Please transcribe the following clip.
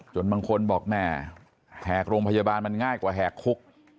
บางคนบอกแม่แหกโรงพยาบาลมันง่ายกว่าแหกคุก